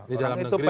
di dalam negeri lah